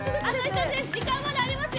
時間は、まだありますよ。